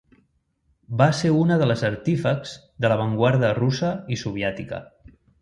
Va ser una de les artífexs de l'avantguarda russa i soviètica.